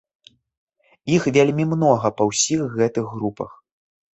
Іх вельмі многа па ўсіх гэтых групах.